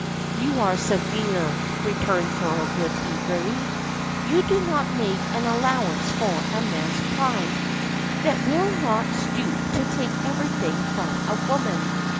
"You are severe," returned Thorold, eagerly. "You do not make an allowance for a man's pride, that will not stoop to take everything from a woman.